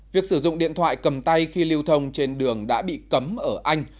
việc sử dụng điện thoại cầm tay khi lưu thông trên đường đã bị cấm ở anh